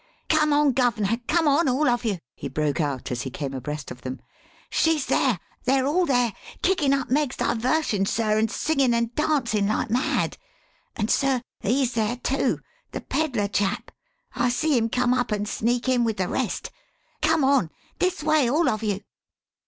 "Come on, guv'ner, come on, all of you!" he broke out as he came abreast of them. "She's there they're all there kickin' up Meg's diversions, sir, and singin' and dancin' like mad. And, sir, he's there, too the pedler chap! I see him come up and sneak in with the rest. Come on! This way, all of you."